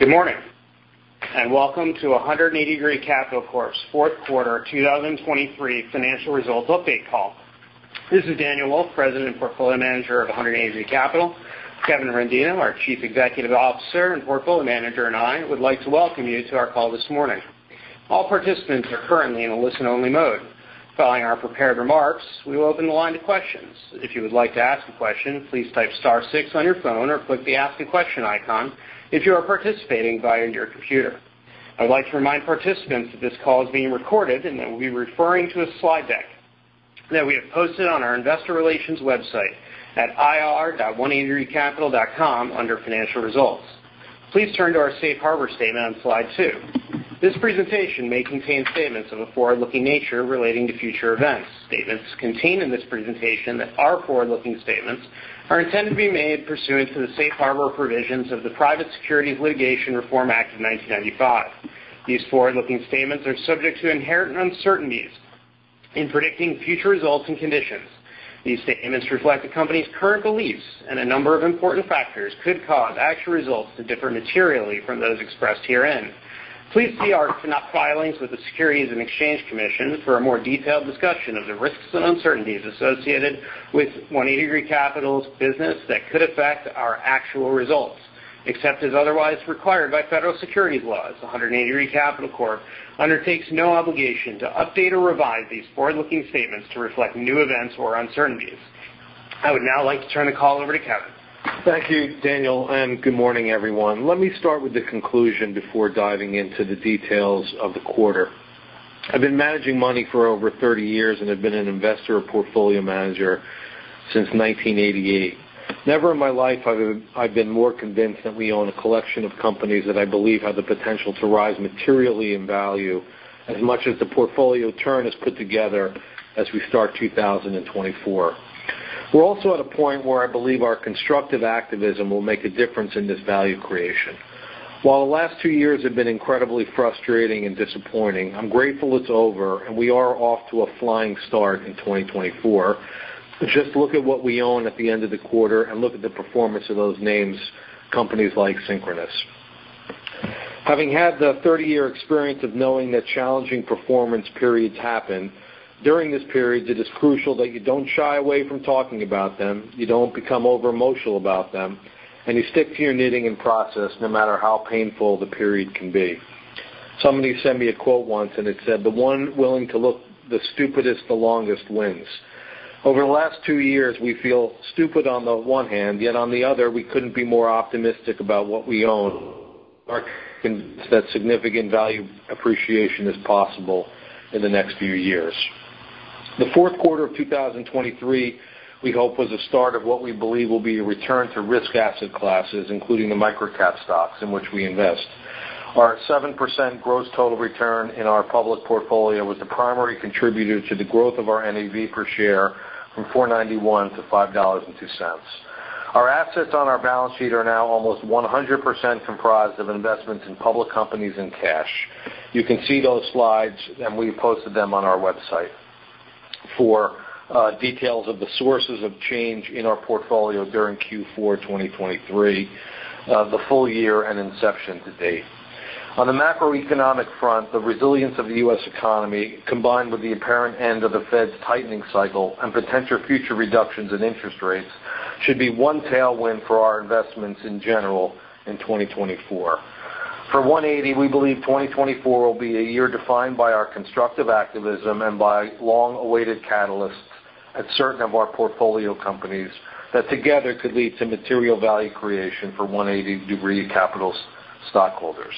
Good morning and welcome to 180 Degree Capital Corp's fourth quarter 2023 financial results update call. This is Daniel Wolfe, President and Portfolio Manager of 180 Degree Capital. Kevin Rendino, our Chief Executive Officer and Portfolio Manager, and I would like to welcome you to our call this morning. All participants are currently in a listen-only mode. Following our prepared remarks, we will open the line to questions. If you would like to ask a question, please type star six on your phone or click the Ask a Question icon if you are participating via your computer. I would like to remind participants that this call is being recorded and that we'll be referring to a slide deck that we have posted on our Investor Relations website at ir.180degreecapital.com under Financial Results. Please turn to our Safe Harbor Statement on slide two. This presentation may contain statements of a forward-looking nature relating to future events. Statements contained in this presentation that are forward-looking statements are intended to be made pursuant to the Safe Harbor provisions of the Private Securities Litigation Reform Act of 1995. These forward-looking statements are subject to inherent uncertainties in predicting future results and conditions. These statements reflect the company's current beliefs and a number of important factors could cause actual results to differ materially from those expressed herein. Please see our financial filings with the Securities and Exchange Commission for a more detailed discussion of the risks and uncertainties associated with 180 Degree Capital Corp.'s business that could affect our actual results, except as otherwise required by federal securities laws. 180 Degree Capital Corp. undertakes no obligation to update or revise these forward-looking statements to reflect new events or uncertainties. I would now like to turn the call over to Kevin. Thank you, Daniel, and good morning, everyone. Let me start with the conclusion before diving into the details of the quarter. I've been managing money for over 30 years and have been an investor and portfolio manager since 1988. Never in my life have I been more convinced that we own a collection of companies that I believe have the potential to rise materially in value as much as the portfolio turn is put together as we start 2024. We're also at a point where I believe our constructive activism will make a difference in this value creation. While the last two years have been incredibly frustrating and disappointing, I'm grateful it's over and we are off to a flying start in 2024. Just look at what we own at the end of the quarter and look at the performance of those names, companies like Synchronoss. Having had the 30-year experience of knowing that challenging performance periods happen, during this period, it is crucial that you don't shy away from talking about them, you don't become over-emotional about them, and you stick to your knitting and process no matter how painful the period can be. Somebody sent me a quote once and it said, "The one willing to look the stupidest the longest wins." Over the last two years, we feel stupid on the one hand, yet on the other, we couldn't be more optimistic about what we own, are convinced that significant value appreciation is possible in the next few years. The fourth quarter of 2023, we hope, was the start of what we believe will be a return to risk asset classes, including the microcap stocks in which we invest. Our 7% gross total return in our public portfolio was the primary contributor to the growth of our NAV per share from $491 to $5.02. Our assets on our balance sheet are now almost 100% comprised of investments in public companies and cash. You can see those slides and we posted them on our website for details of the sources of change in our portfolio during Q4 2023, the full year, and inception to date. On the macroeconomic front, the resilience of the U.S. economy, combined with the apparent end of the Fed's tightening cycle and potential future reductions in interest rates, should be one tailwind for our investments in general in 2024. For 180, we believe 2024 will be a year defined by our constructive activism and by long-awaited catalysts at certain of our portfolio companies that together could lead to material value creation for 180 Degree Capital's stockholders.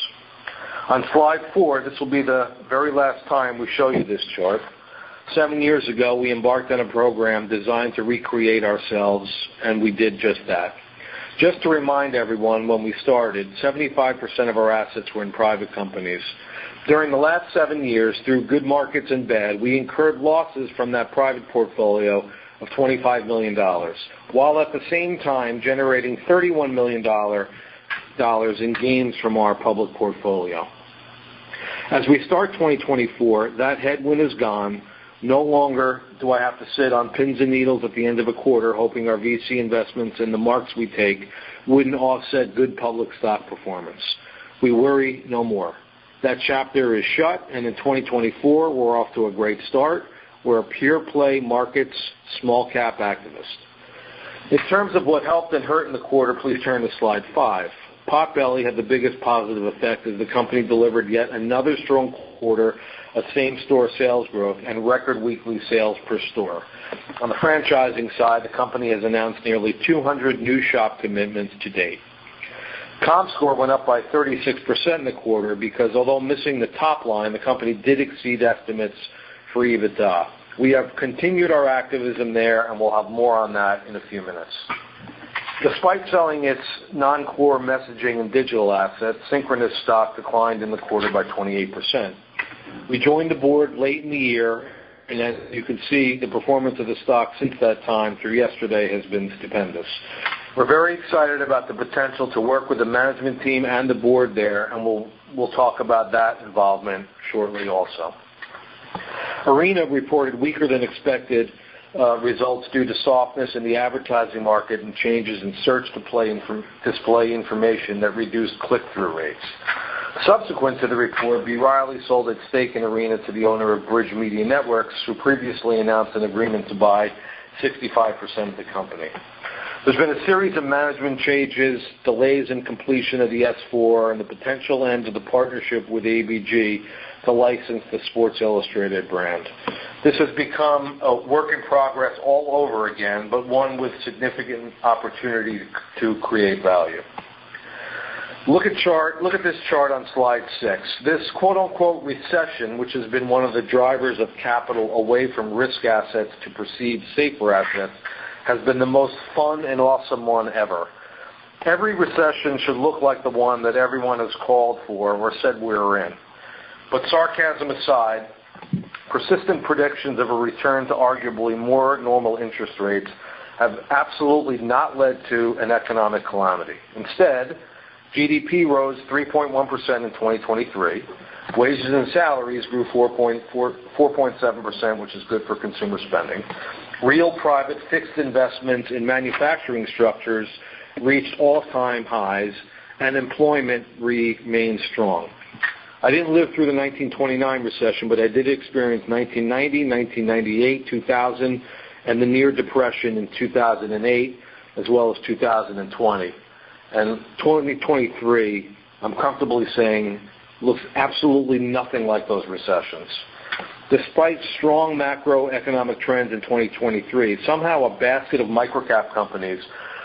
On slide four, this will be the very last time we show you this chart. Seven years ago, we embarked on a program designed to recreate ourselves, and we did just that. Just to remind everyone, when we started, 75% of our assets were in private companies. During the last seven years, through good markets and bad, we incurred losses from that private portfolio of $25 million while at the same time generating $31 million in gains from our public portfolio. As we start 2024, that headwind is gone. No longer do I have to sit on pins and needles at the end of a quarter hoping our VC investments and the marks we take wouldn't offset good public stock performance. We worry no more. That chapter is shut, and in 2024, we're off to a great start. We're a pure-play markets small-cap activist. In terms of what helped and hurt in the quarter, please turn to slide five. Potbelly had the biggest positive effect as the company delivered yet another strong quarter of same-store sales growth and record weekly sales per store. On the franchising side, the company has announced nearly 200 new shop commitments to date. Comscore went up by 36% in the quarter because, although missing the top line, the company did exceed estimates for EBITDA. We have continued our activism there, and we'll have more on that in a few minutes. Despite selling its non-core messaging and digital assets, Synchronoss stock declined in the quarter by 28%. We joined the board late in the year, and as you can see, the performance of the stock since that time through yesterday has been stupendous. We're very excited about the potential to work with the management team and the board there, and we'll talk about that involvement shortly also. Arena reported weaker than expected results due to softness in the advertising market and changes in search display information that reduced click-through rates. Subsequent to the report, B. Riley sold its stake in Arena to the owner of Bridge Media Networks, who previously announced an agreement to buy 65% of the company. There's been a series of management changes, delays in completion of the S-4, and the potential end of the partnership with ABG to license the Sports Illustrated brand. This has become a work in progress all over again, but one with significant opportunity to create value. Look at this chart on slide six. This "recession," which has been one of the drivers of capital away from risk assets to perceived safer assets, has been the most fun and awesome one ever. Every recession should look like the one that everyone has called for or said we're in. But sarcasm aside, persistent predictions of a return to arguably more normal interest rates have absolutely not led to an economic calamity. Instead, GDP rose 3.1% in 2023. Wages and salaries grew 4.7%, which is good for consumer spending. Real private fixed investments in manufacturing structures reached all-time highs, and employment remained strong. I didn't live through the 1929 recession, but I did experience 1990, 1998, 2000, and the near-depression in 2008 as well as 2020. 2023, I'm comfortably saying, looks absolutely nothing like those recessions. Despite strong macroeconomic trends in 2023, somehow a basket of microcap companies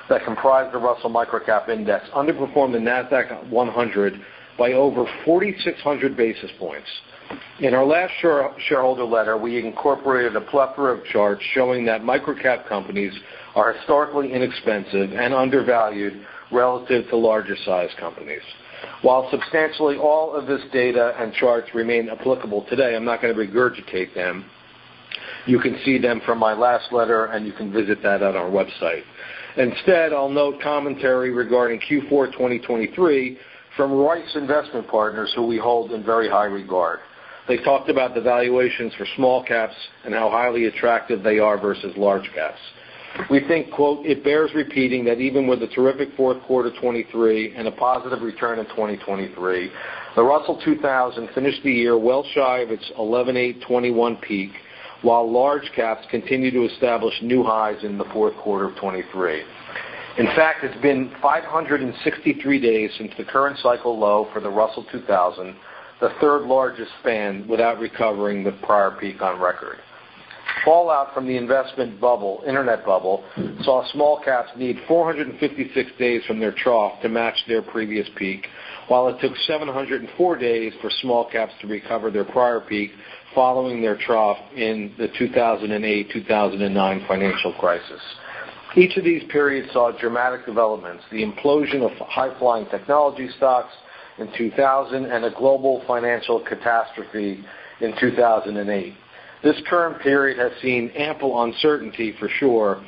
that comprised the Russell Microcap Index underperformed the NASDAQ 100 by over 4,600 basis points. In our last shareholder letter, we incorporated a plethora of charts showing that microcap companies are historically inexpensive and undervalued relative to larger-sized companies. While substantially all of this data and charts remain applicable today, I'm not going to regurgitate them. You can see them from my last letter, and you can visit that on our website. Instead, I'll note commentary regarding Q4 2023 from Royce Investment Partners, who we hold in very high regard. They talked about the valuations for small caps and how highly attractive they are versus large caps. We think, "It bears repeating that even with a terrific fourth quarter 2023 and a positive return in 2023, the Russell 2000 finished the year well shy of its 11/8/2021 peak while large caps continue to establish new highs in the fourth quarter of 2023. In fact, it's been 563 days since the current cycle low for the Russell 2000, the third largest span without recovering the prior peak on record. Fallout from the internet bubble saw small caps need 456 days from their trough to match their previous peak, while it took 704 days for small caps to recover their prior peak following their trough in the 2008-2009 financial crisis. Each of these periods saw dramatic developments: the implosion of high-flying technology stocks in 2000 and a global financial catastrophe in 2008. This current period has seen ample uncertainty, for sure,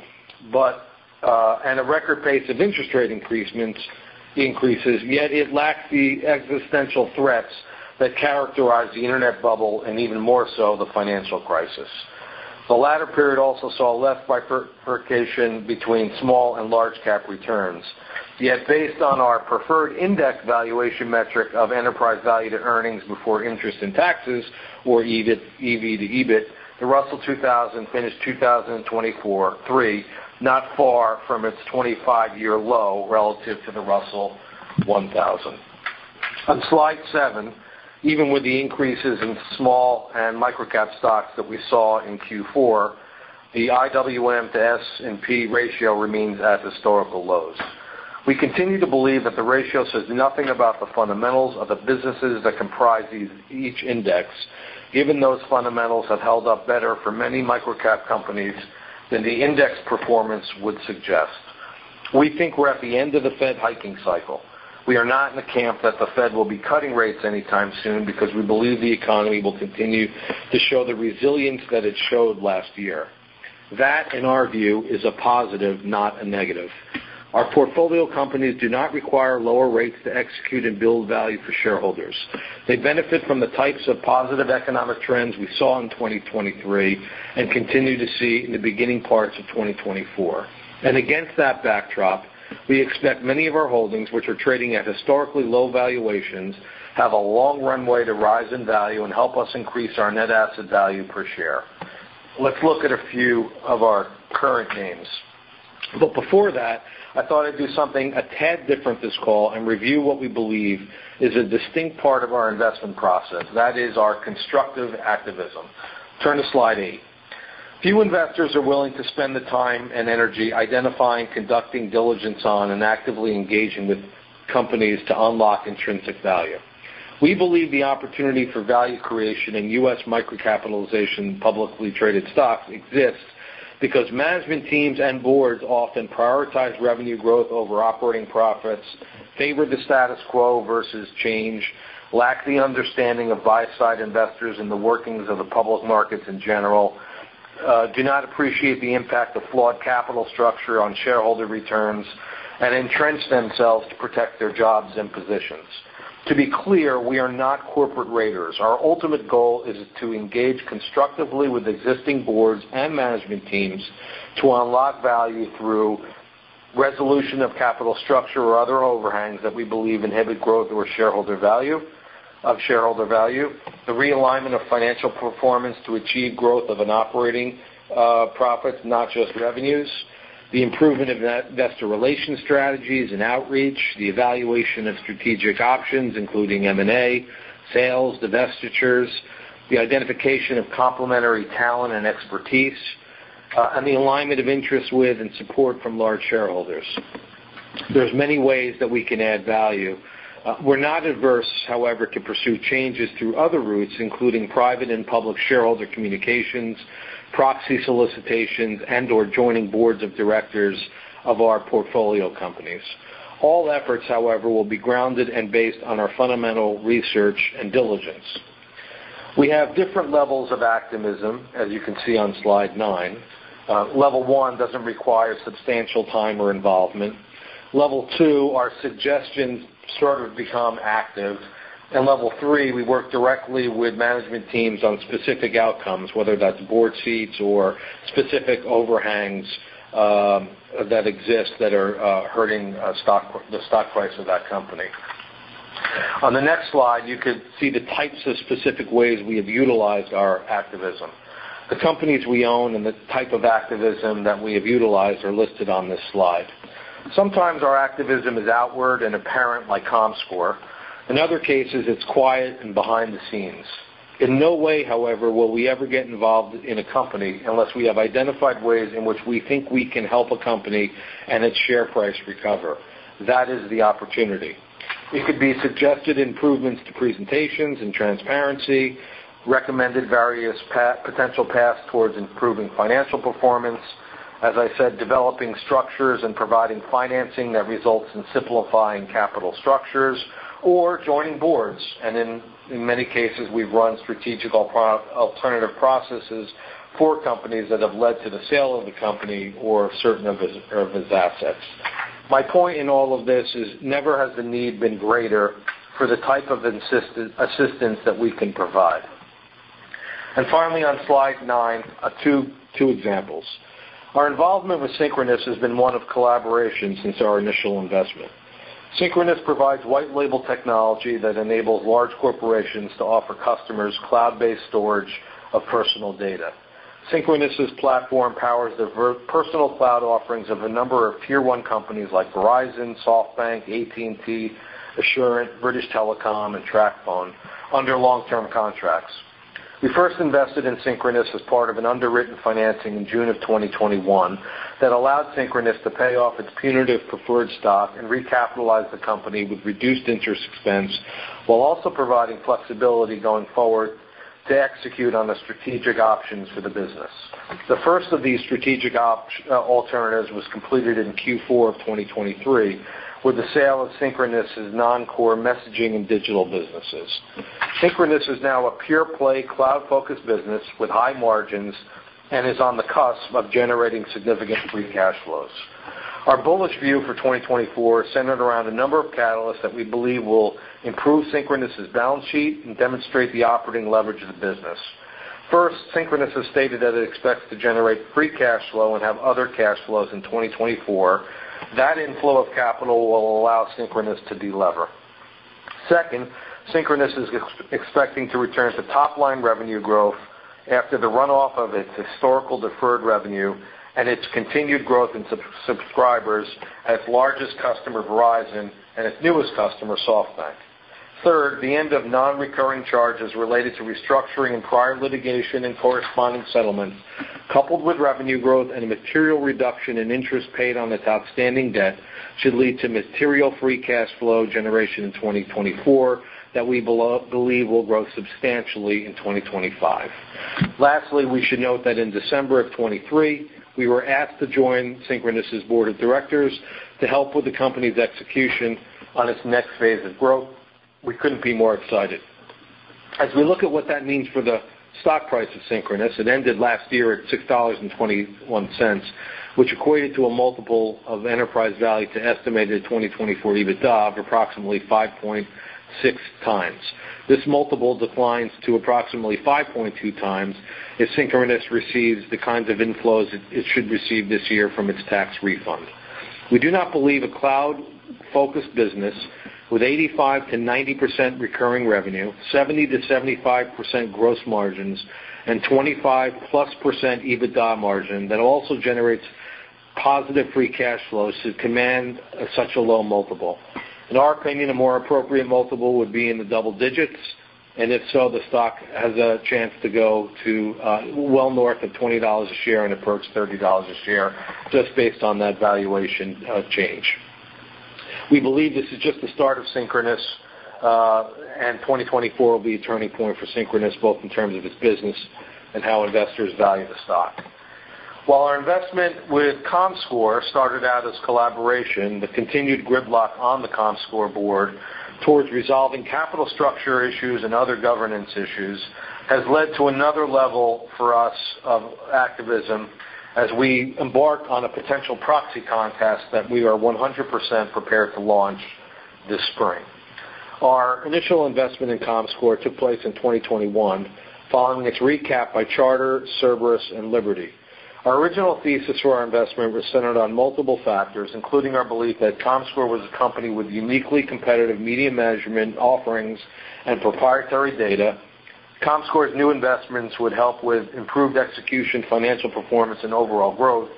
and a record pace of interest rate increases, yet it lacks the existential threats that characterize the internet bubble and even more so the financial crisis. The latter period also saw left bifurcation between small and large-cap returns. Yet based on our preferred index valuation metric of enterprise value to earnings before interest and taxes, or EV to EBIT, the Russell 2000 finished 2023 not far from its 25-year low relative to the Russell 1000. On slide seven, even with the increases in small and microcap stocks that we saw in Q4, the IWM to S&P ratio remains at historical lows. We continue to believe that the ratio says nothing about the fundamentals of the businesses that comprise each index, given those fundamentals have held up better for many microcap companies than the index performance would suggest. We think we're at the end of the Fed hiking cycle. We are not in the camp that the Fed will be cutting rates anytime soon because we believe the economy will continue to show the resilience that it showed last year. That, in our view, is a positive, not a negative. Our portfolio companies do not require lower rates to execute and build value for shareholders. They benefit from the types of positive economic trends we saw in 2023 and continue to see in the beginning parts of 2024. And against that backdrop, we expect many of our holdings, which are trading at historically low valuations, have a long runway to rise in value and help us increase our net asset value per share. Let's look at a few of our current names. Before that, I thought I'd do something a tad different this call and review what we believe is a distinct part of our investment process. That is our constructive activism. Turn to slide eight. Few investors are willing to spend the time and energy identifying, conducting diligence on, and actively engaging with companies to unlock intrinsic value. We believe the opportunity for value creation in U.S. micro-cap publicly traded stocks exists because management teams and boards often prioritize revenue growth over operating profits, favor the status quo versus change, lack the understanding of buy-side investors and the workings of the public markets in general, do not appreciate the impact of flawed capital structure on shareholder returns, and entrench themselves to protect their jobs and positions. To be clear, we are not corporate raiders. Our ultimate goal is to engage constructively with existing boards and management teams to unlock value through resolution of capital structure or other overhangs that we believe inhibit growth or shareholder value, the realignment of financial performance to achieve growth of an operating profit, not just revenues, the improvement of investor relations strategies and outreach, the evaluation of strategic options including M&A, sales, divestitures, the identification of complementary talent and expertise, and the alignment of interest with and support from large shareholders. There's many ways that we can add value. We're not averse, however, to pursue changes through other routes including private and public shareholder communications, proxy solicitations, and/or joining boards of directors of our portfolio companies. All efforts, however, will be grounded and based on our fundamental research and diligence. We have different levels of activism, as you can see on slide nine. Level one doesn't require substantial time or involvement. Level two, our suggestions sort of become active. Level three, we work directly with management teams on specific outcomes, whether that's board seats or specific overhangs that exist that are hurting the stock price of that company. On the next slide, you could see the types of specific ways we have utilized our activism. The companies we own and the type of activism that we have utilized are listed on this slide. Sometimes our activism is outward and apparent like Comscore. In other cases, it's quiet and behind the scenes. In no way, however, will we ever get involved in a company unless we have identified ways in which we think we can help a company and its share price recover. That is the opportunity. It could be suggested improvements to presentations and transparency, recommended various potential paths towards improving financial performance, as I said, developing structures and providing financing that results in simplifying capital structures, or joining boards. In many cases, we've run strategic alternative processes for companies that have led to the sale of the company or certain of its assets. My point in all of this is never has the need been greater for the type of assistance that we can provide. Finally, on slide nine, two examples. Our involvement with Synchronoss has been one of collaboration since our initial investment. Synchronoss provides white-label technology that enables large corporations to offer customers cloud-based storage of personal data. Synchronoss's platform powers the personal cloud offerings of a number of tier-one companies like Verizon, SoftBank, AT&T, Assurant, British Telecom, and TracFone under long-term contracts. We first invested in Synchronoss as part of an underwritten financing in June of 2021 that allowed Synchronoss to pay off its punitive preferred stock and recapitalize the company with reduced interest expense while also providing flexibility going forward to execute on the strategic options for the business. The first of these strategic alternatives was completed in Q4 of 2023 with the sale of Synchronoss's non-core messaging and digital businesses. Synchronoss is now a pure-play, cloud-focused business with high margins and is on the cusp of generating significant free cash flows. Our bullish view for 2024 is centered around a number of catalysts that we believe will improve Synchronoss's balance sheet and demonstrate the operating leverage of the business. First, Synchronoss has stated that it expects to generate free cash flow and have other cash flows in 2024. That inflow of capital will allow Synchronoss to delever. Second, Synchronoss is expecting to return to top-line revenue growth after the runoff of its historical deferred revenue and its continued growth in subscribers as largest customer Verizon and its newest customer SoftBank. Third, the end of non-recurring charges related to restructuring and prior litigation and corresponding settlements, coupled with revenue growth and material reduction in interest paid on its outstanding debt, should lead to material free cash flow generation in 2024 that we believe will grow substantially in 2025. Lastly, we should note that in December of 2023, we were asked to join Synchronoss's board of directors to help with the company's execution on its next phase of growth. We couldn't be more excited. As we look at what that means for the stock price of Synchronoss, it ended last year at $6.21, which equated to a multiple of enterprise value to estimated 2024 EBITDA of approximately 5.6x. This multiple declines to approximately 5.2x if Synchronoss receives the kinds of inflows it should receive this year from its tax refund. We do not believe a cloud-focused business with 85%-90% recurring revenue, 70%-75% gross margins, and 25%+ EBITDA margin that also generates positive free cash flows should command such a low multiple. In our opinion, a more appropriate multiple would be in the double digits, and if so, the stock has a chance to go well north of $20 a share and approach $30 a share just based on that valuation change. We believe this is just the start of Synchronoss, and 2024 will be a turning point for Synchronoss both in terms of its business and how investors value the stock. While our investment with Comscore started out as collaboration, the continued gridlock on the Comscore board towards resolving capital structure issues and other governance issues has led to another level for us of activism as we embark on a potential proxy contest that we are 100% prepared to launch this spring. Our initial investment in Comscore took place in 2021 following its recap by Charter, Cerberus, and Liberty. Our original thesis for our investment was centered on multiple factors, including our belief that Comscore was a company with uniquely competitive media management offerings and proprietary data, Comscore's new investments would help with improved execution, financial performance, and overall growth,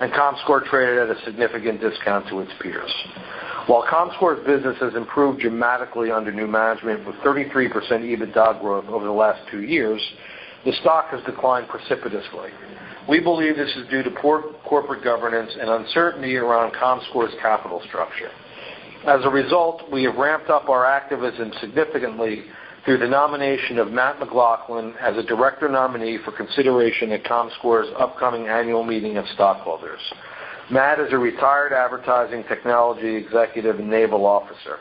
and Comscore traded at a significant discount to its peers. While Comscore's business has improved dramatically under new management with 33% EBITDA growth over the last two years, the stock has declined precipitously. We believe this is due to poor corporate governance and uncertainty around Comscore's capital structure. As a result, we have ramped up our activism significantly through the nomination of Matt McLaughlin as a director nominee for consideration at Comscore's upcoming annual meeting of stockholders. Matt is a retired advertising technology executive and Naval officer.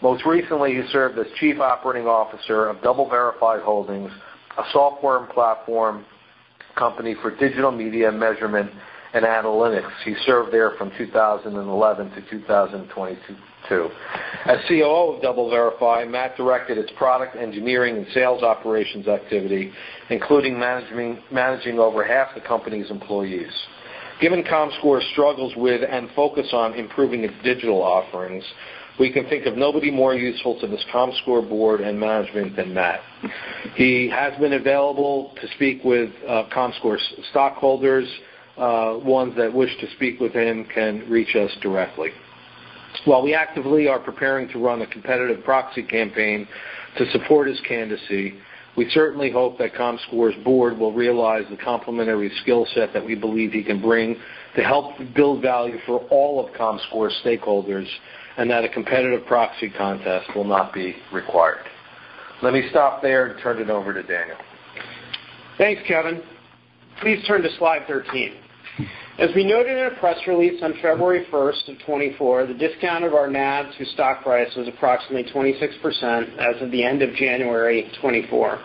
Most recently, he served as Chief Operating Officer of DoubleVerify Holdings, a software and platform company for digital media measurement and analytics. He served there from 2011 to 2022. As COO of DoubleVerify, Matt directed its product, engineering, and sales operations activity, including managing over half the company's employees. Given Comscore's struggles with and focus on improving its digital offerings, we can think of nobody more useful to this Comscore board and management than Matt. He has been available to speak with Comscore's stockholders. Ones that wish to speak with him can reach us directly. While we actively are preparing to run a competitive proxy campaign to support his candidacy, we certainly hope that Comscore's board will realize the complementary skill set that we believe he can bring to help build value for all of Comscore's stakeholders and that a competitive proxy contest will not be required. Let me stop there and turn it over to Daniel. Thanks, Kevin. Please turn to slide 13. As we noted in a press release on February 1st of 2024, the discount of our NAV to stock price was approximately 26% as of the end of January 2024.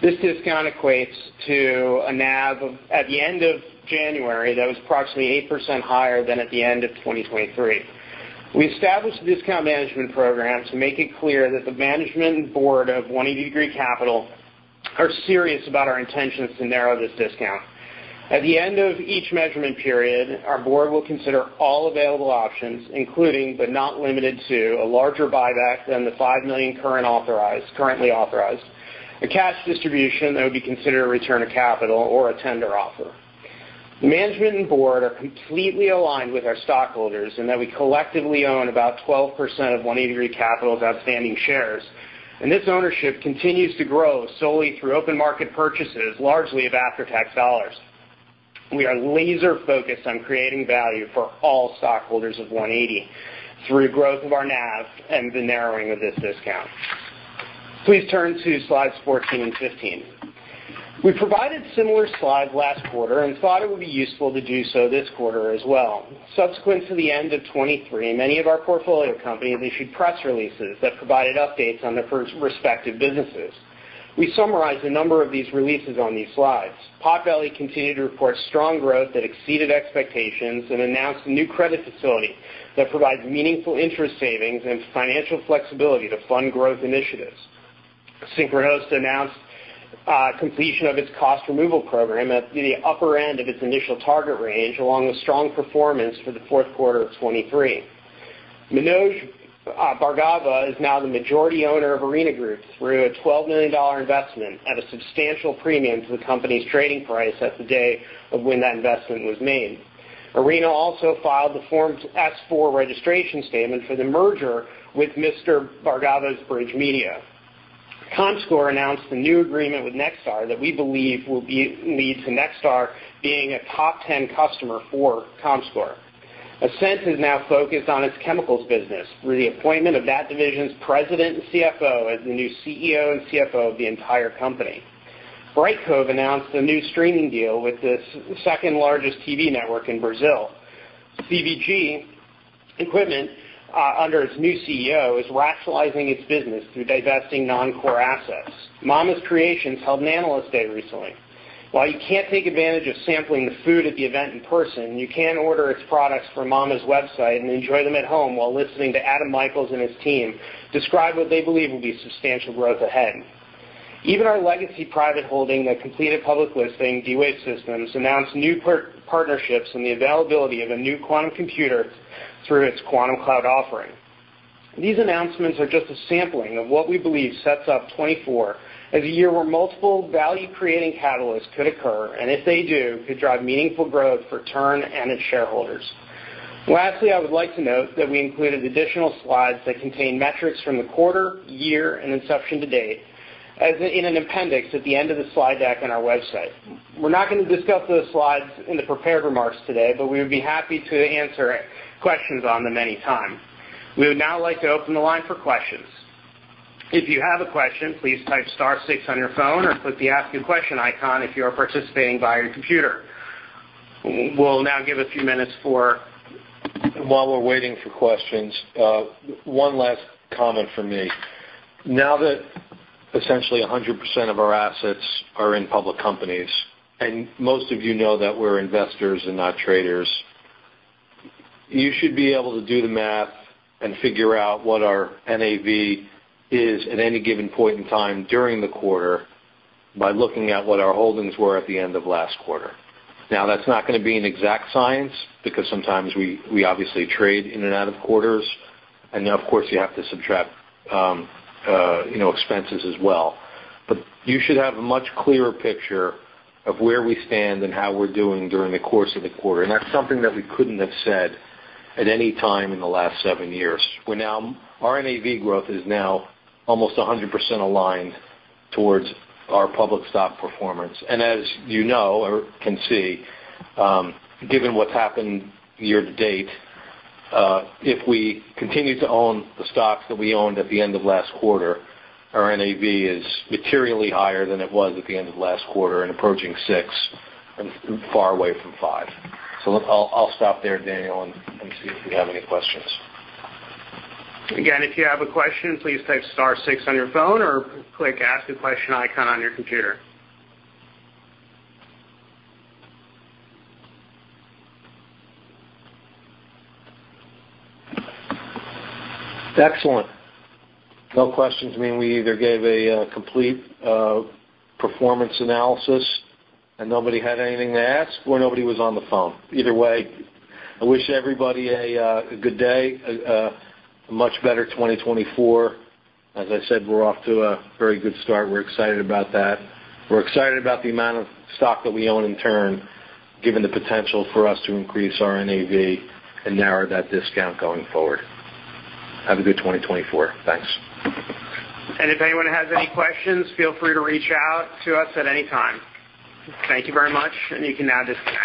This discount equates to a NAV at the end of January that was approximately 8% higher than at the end of 2023. We established a discount management program to make it clear that the management and board of 180 Degree Capital are serious about our intentions to narrow this discount. At the end of each measurement period, our board will consider all available options, including but not limited to, a larger buyback than the 5 million currently authorized, a cash distribution that would be considered a return of capital, or a tender offer. The management and board are completely aligned with our stockholders in that we collectively own about 12% of 180 Degree Capital's outstanding shares, and this ownership continues to grow solely through open-market purchases, largely of after-tax dollars. We are laser-focused on creating value for all stockholders of 180 through growth of our NAV and the narrowing of this discount. Please turn to slides 14 and 15. We provided similar slides last quarter and thought it would be useful to do so this quarter as well. Subsequent to the end of 2023, many of our portfolio companies issued press releases that provided updates on their respective businesses. We summarized a number of these releases on these slides. Potbelly continued to report strong growth that exceeded expectations and announced a new credit facility that provides meaningful interest savings and financial flexibility to fund growth initiatives. Synchronoss announced completion of its cost removal program at the upper end of its initial target range along with strong performance for the fourth quarter of 2023. Manoj Bhargava is now the majority owner of Arena Group through a $12 million investment at a substantial premium to the company's trading price at the day of when that investment was made. Arena also filed the Form S-4 registration statement for the merger with Mr. Bhargava's Bridge Media. Comscore announced a new agreement with Nexstar that we believe will lead to Nexstar being a top 10 customer for Comscore. Ascent is now focused on its chemicals business through the appointment of that division's president and CFO as the new CEO and CFO of the entire company. Brightcove announced a new streaming deal with the second-largest TV network in Brazil. CVG Equipment, under its new CEO, is rationalizing its business through divesting non-core assets. Mama's Creations held an analyst day recently. While you can't take advantage of sampling the food at the event in person, you can order its products from Mama's website and enjoy them at home while listening to Adam Michaels and his team describe what they believe will be substantial growth ahead. Even our legacy private holding that completed public listing, D-Wave Systems, announced new partnerships and the availability of a new quantum computer through its quantum cloud offering. These announcements are just a sampling of what we believe sets up 2024 as a year where multiple value-creating catalysts could occur, and if they do, could drive meaningful growth for TURN and its shareholders. Lastly, I would like to note that we included additional slides that contain metrics from the quarter, year, and inception to date in an appendix at the end of the slide deck on our website. We're not going to discuss those slides in the prepared remarks today, but we would be happy to answer questions on them anytime. We would now like to open the line for questions. If you have a question, please type star six on your phone or click the Ask a Question icon if you are participating via your computer. We'll now give a few minutes. While we're waiting for questions. One last comment from me. Now that essentially 100% of our assets are in public companies, and most of you know that we're investors and not traders, you should be able to do the math and figure out what our NAV is at any given point in time during the quarter by looking at what our holdings were at the end of last quarter. Now, that's not going to be an exact science because sometimes we obviously trade in and out of quarters, and of course, you have to subtract expenses as well. You should have a much clearer picture of where we stand and how we're doing during the course of the quarter. That's something that we couldn't have said at any time in the last seven years. Our NAV growth is now almost 100% aligned towards our public stock performance. As you know or can see, given what's happened year to date, if we continue to own the stocks that we owned at the end of last quarter, our NAV is materially higher than it was at the end of last quarter and approaching six and far away from five. I'll stop there, Daniel, and see if we have any questions. Again, if you have a question, please type star six on your phone or click Ask a Question icon on your computer. Excellent. No questions. I mean, we either gave a complete performance analysis and nobody had anything to ask, or nobody was on the phone. Either way, I wish everybody a good day, a much better 2024. As I said, we're off to a very good start. We're excited about that. We're excited about the amount of stock that we own in TURN, given the potential for us to increase our NAV and narrow that discount going forward. Have a good 2024. Thanks. And if anyone has any questions, feel free to reach out to us at any time. Thank you very much, and you can now disconnect.